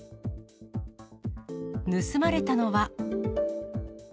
盗まれたのは。